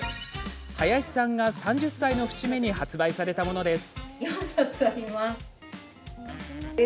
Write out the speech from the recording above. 林さんが３０歳の節目に発売されたものです。